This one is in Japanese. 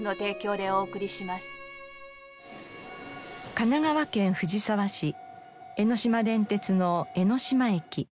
神奈川県藤沢市江ノ島電鉄の江ノ島駅。